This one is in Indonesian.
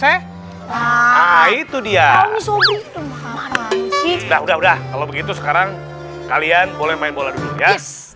saya itu dia udah udah udah kalau begitu sekarang kalian boleh main bola dulu ya